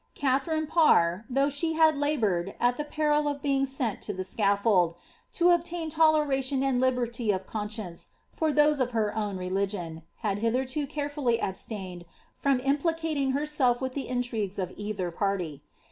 Katharine Parr, though she had laboured, at the peril of being sent to e scaffold, to obtain toleration and liberty of conscience for those of f own religion, had hitherto carefully abstained from implicating her If witli the intrigues of either party.